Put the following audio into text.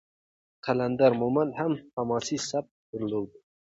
قلندر مومند هم حماسي سبک درلود.